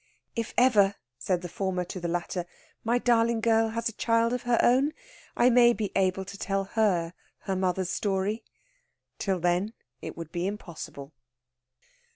"If ever," said the former to the latter, "my darling girl has a child of her own, I may be able to tell her her mother's story." Till then, it would be impossible.